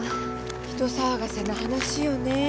人騒がせな話よねぇ。